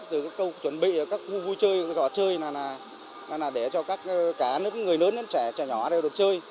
từ các câu chuẩn bị các khu vui chơi khóa chơi là để cho các người lớn đến trẻ trẻ nhỏ đều được chơi